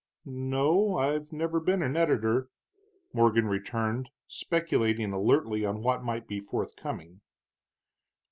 "No, I've never been an editor," Morgan returned, speculating alertly on what might be forthcoming.